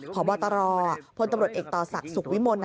ผอบตรพตำรวจเอกต่อศักดิ์สุกวิมนต์